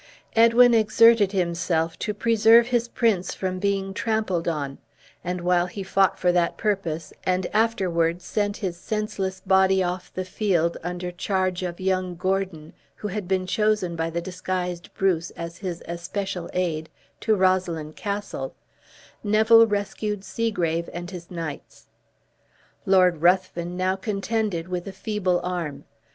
Edwin exerted himself to preserve his prince from being trampled on; and while he fought for that purpose, and afterward sent his senseless body off the field, under charge of young Gordon (who had been chosen by the disguised Bruce as his especial aid), to Roslyn Castle, Neville rescued Segrave and his knights. Lord Ruthven now contended with a feeble arm.